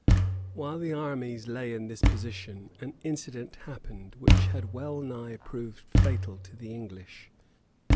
While the armies lay in this position, an incident happened which had well nigh proved fatal to the English.